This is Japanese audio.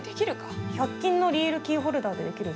百均のリールキーホルダーでできるぞ。